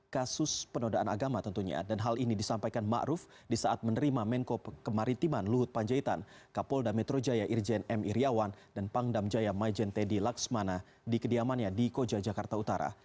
kasus penodaan agama tentunya dan hal ini disampaikan ⁇ maruf ⁇ di saat menerima menko kemaritiman luhut panjaitan kapolda metro jaya irjen m iryawan dan pangdam jaya majen teddy laksmana di kediamannya di koja jakarta utara